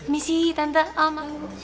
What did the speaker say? misi tante om